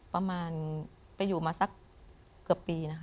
ประมาณไปอยู่มาสักเกือบปีนะคะ